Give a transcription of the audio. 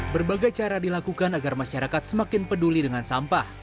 berbagai cara dilakukan agar masyarakat semakin peduli dengan sampah